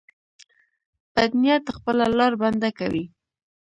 بد نیت خپله لار بنده کوي.